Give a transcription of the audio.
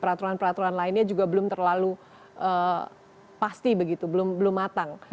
peraturan peraturan lainnya juga belum terlalu pasti begitu belum matang